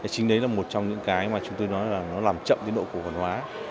chính đấy là một trong những cái mà chúng tôi nói là nó làm chậm cái độ cổ phần hóa